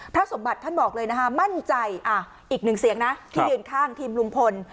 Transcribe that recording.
สมบัติท่านบอกเลยนะคะมั่นใจอีกหนึ่งเสียงนะที่ยืนข้างทีมลุงพล